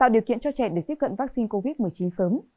điều kiện cho trẻ được tiếp cận vaccine covid một mươi chín sớm